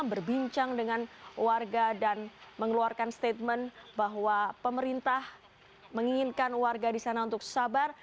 berbincang dengan warga dan mengeluarkan statement bahwa pemerintah menginginkan warga di sana untuk sabar